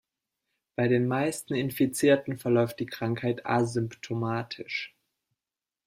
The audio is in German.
Bei den meisten Infizierten verläuft die Krankheit asymptomatisch.